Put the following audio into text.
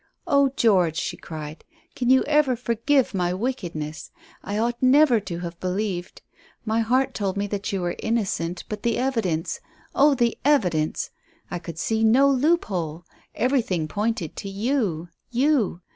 "Oh, George," she cried, "can you ever forgive my wickedness? I ought never to have believed. My heart told me that you were innocent; but the evidence oh, the evidence. I could see no loophole. Everything pointed to you you.